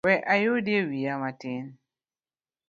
We ayudie wiya matin.